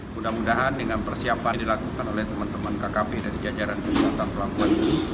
mudah mudahan dengan persiapan dilakukan oleh teman teman kkp dari jajaran kesehatan pelabuhan